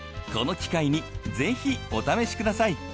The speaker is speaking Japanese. この機会にぜひお試しください。